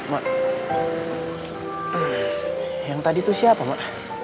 mak yang tadi itu siapa mak